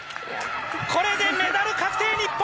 これでメダル確定、日本！